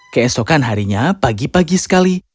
keesokan harinya pagi pagi sekali